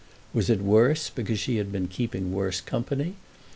Was it worse because she had been keeping worse company?